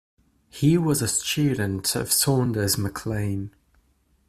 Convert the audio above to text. He was a student of Saunders Mac Lane.